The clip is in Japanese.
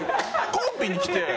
コンビに来て。